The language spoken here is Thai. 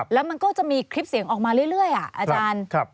แล้วมันก็จะมีคลิปเสียงออกมาเรื่อยอาจารย์